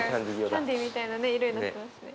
キャンディーみたいな色になってますね。